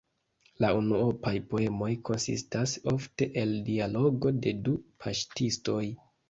La unuopaj poemoj konsistas ofte el dialogo de du paŝtistoj.